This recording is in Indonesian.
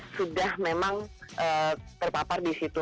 sudah memang terpapar di situ